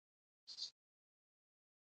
دا چوکۍ په کابل کې د نندارې لپاره اېښودل شوې ده.